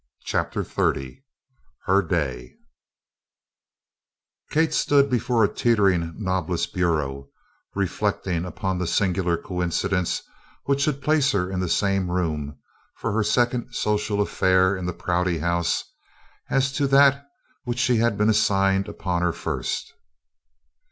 CHAPTER XXX HER DAY Kate stood before a teetering knobless bureau reflecting upon the singular coincidence which should place her in the same room for her second social affair in the Prouty House as that to which she had been assigned upon her first.